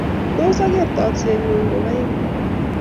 Tos ager takset ngu`ng kaikai?